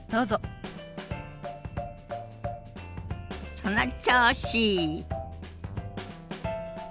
その調子！